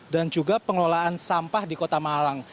dan juga pengelolaan sampah di kota malang